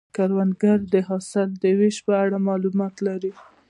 کروندګر د حاصل د ویش په اړه معلومات لري